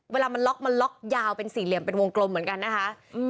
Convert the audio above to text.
เวลามันล็อกมันล็อกยาวเป็นสี่เหลี่ยมเป็นวงกลมเหมือนกันนะคะ